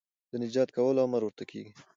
د نجات کولو امر ورته کېږي